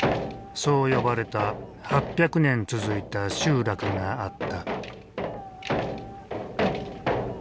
そう呼ばれた８００年続いた集落があった。